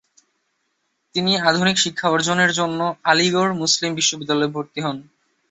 তিনি আধুনিক শিক্ষা অর্জনের জন্য আলিগড় মুসলিম বিশ্ববিদ্যালয়ে ভর্তি হন।